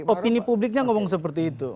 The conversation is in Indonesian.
opini publiknya ngomong seperti itu